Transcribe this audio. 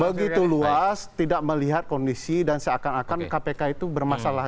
begitu luas tidak melihat kondisi dan seakan akan kpk itu bermasalah